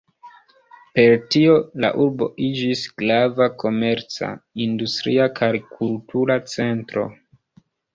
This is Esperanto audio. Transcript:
Per tio la urbo iĝis grava komerca, industria kaj kultura centro.